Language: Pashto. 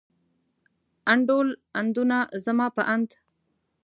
انډول، اندونه، زما په اند.